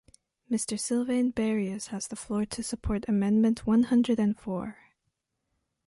Mr Sylvain Berrios has the floor to support amendment one hundred and four.